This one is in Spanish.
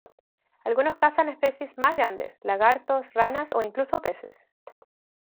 Algunos cazan especies más grandes: lagartos, ranas o incluso peces.